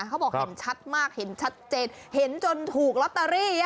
เขาบอกเห็นชัดมากเห็นชัดเจนเห็นจนถูกลอตเตอรี่